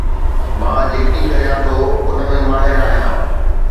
مان جيڪي ڪريان ٿو ان ۾ ماهر آهيان